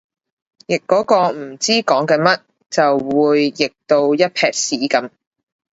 譯嗰個唔知講緊乜就會譯到一坺屎噉